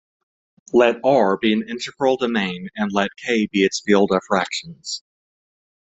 Let "R" be an integral domain, and let "K" be its field of fractions.